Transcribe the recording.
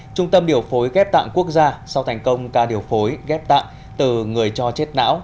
trung tâm điều phối ghép tạng quốc gia sau thành công ca điều phối ghép tạng từ người cho chết não